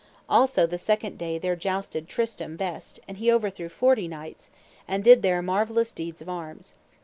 Also the second day there jousted Tristram best, and he overthrew forty knights, and did there marvellous deeds of arms.